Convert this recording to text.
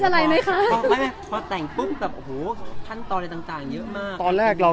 คราวสองนามสามสองตัวกัน